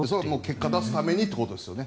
結果を出すためにということですね。